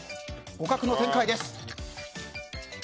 互角の展開です。